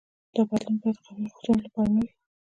دا بدلون باید قومي غوښتنو لپاره نه وي.